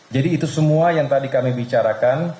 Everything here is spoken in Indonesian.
jadi itu semua yang tadi kami bicarakan